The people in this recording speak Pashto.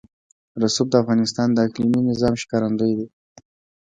رسوب د افغانستان د اقلیمي نظام ښکارندوی ده.